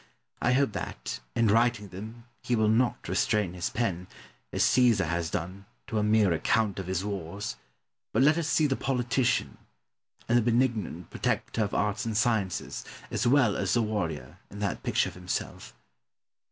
I hope that, in writing them, he will not restrain his pen, as Caesar has done, to a mere account of his wars, but let us see the politician, and the benignant protector of arts and sciences, as well as the warrior, in that picture of himself.